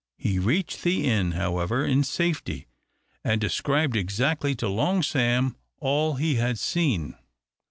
He reached the inn, however, in safety, and described exactly to Long Sam all he had seen.